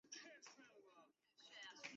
葫芦碘泡虫为碘泡科碘泡虫属的动物。